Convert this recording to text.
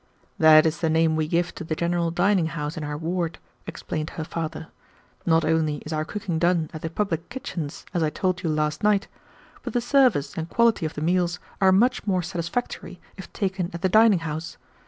"That is the name we give to the general dining house in our ward," explained her father. "Not only is our cooking done at the public kitchens, as I told you last night, but the service and quality of the meals are much more satisfactory if taken at the dining house.